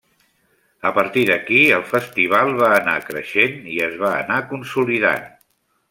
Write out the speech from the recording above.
A partir d'aquí, el festival va anar creixent i es va anar consolidant.